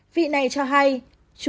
vị này cho hay